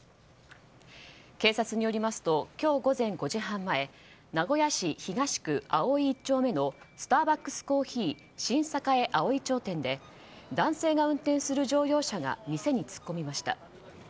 警察によりますと今日午前５時半前名古屋市東区葵１丁目のスターバックスコーヒー新栄葵町店で男性が運転する乗用車が店に突っ込みました。